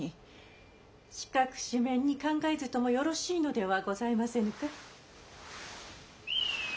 ・四角四面に考えずともよろしいのではございませぬか？